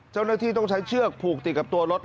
เจ้าหน้าที่ต้องใช้เชือกผูกติดกับตัวรถ